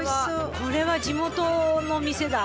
これは地元の店だ。